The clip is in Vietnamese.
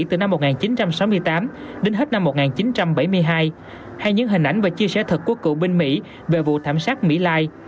từ năm một nghìn chín trăm sáu mươi tám đến hết năm một nghìn chín trăm bảy mươi hai hay những hình ảnh và chia sẻ thật của cựu binh mỹ về vụ thảm sát mỹ lai